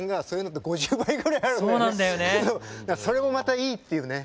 それもまたいいっていうね。